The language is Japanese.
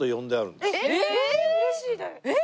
えっ！